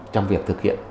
trong việc thực hiện